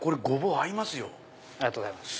ありがとうございます。